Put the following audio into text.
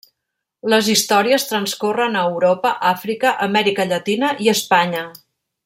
Les històries transcorren a Europa, Àfrica, Amèrica Llatina i Espanya.